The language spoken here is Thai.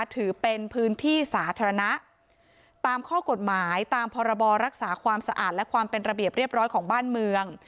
ถือเป็นพื้นที่สาธารณะตามข้อกฎหมายตามพรบรักษาความสะอาดและความเป็นระเบียบเรียบร้อยของบ้านเมือง